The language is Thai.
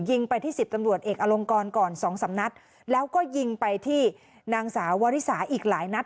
ยิงไปที่สิบตำรวจเอกอลงกรก่อนสองสามนัดแล้วก็ยิงไปที่นางสาววริสาอีกหลายนัด